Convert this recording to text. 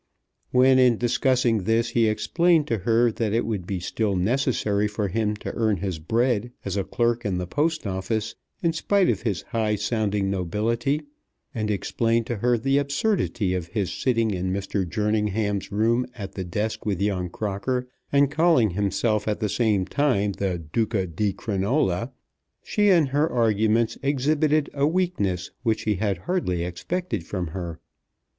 When in discussing this he explained to her that it would be still necessary for him to earn his bread as a clerk in the Post Office in spite of his high sounding nobility, and explained to her the absurdity of his sitting in Mr. Jerningham's room at the desk with young Crocker, and calling himself at the same time the Duca di Crinola, she in her arguments exhibited a weakness which he had hardly expected from her.